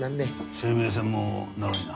生命線も長いな。